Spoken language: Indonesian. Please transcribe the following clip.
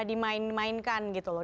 dimainkan gitu loh